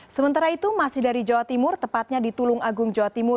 sementara itu masih dari jawa timur tepatnya di tulung agung jawa timur